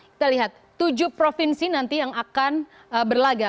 kita lihat tujuh provinsi nanti yang akan berlaga